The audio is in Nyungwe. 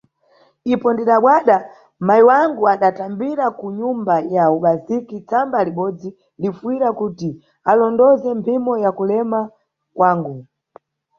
Ipo ndidabadwa, mayi wangu adatambira ku nyumba ya ubaziki tsamba libodzi, lifuyira kuti alondoze mphimo ya kulema kwangu.